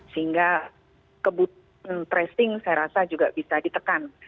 sehingga kebutuhan tracing saya rasa juga bisa ditekan